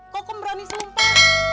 kokom berani sumpah